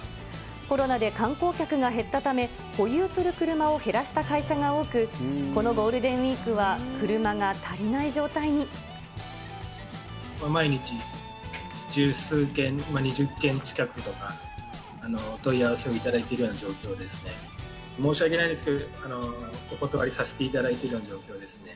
コロナで観光客が減ったため、保有する車を減らした会社が多く、このゴールデンウィークは車が足毎日十数件、２０件近くとか、問い合わせをいただいているような状況ですね。